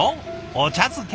お茶漬け。